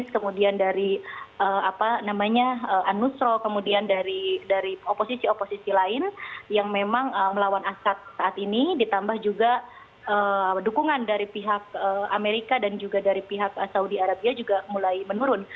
kemudian dari anusro kemudian dari oposisi oposisi lain yang memang melawan asat saat ini ditambah juga dukungan dari pihak amerika dan juga dari pihak saudi arabia juga mulai menurun